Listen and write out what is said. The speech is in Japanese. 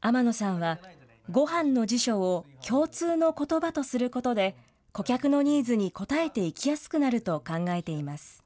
天野さんはごはんの辞書を共通のことばとすることで、顧客のニーズに応えていきやすくなると考えています。